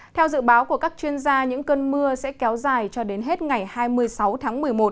theo dự báo của các chuyên gia những cơn mưa sẽ kéo dài cho đến hết ngày hai mươi sáu tháng một mươi một